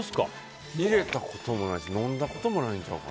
入れたこともないし飲んだこともないです。